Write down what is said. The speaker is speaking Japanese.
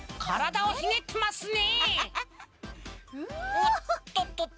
おっとっとっと。